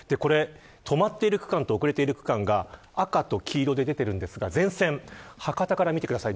止まっている区間と遅れている区間が赤と黄色で出てるんですが全線、博多から見てください。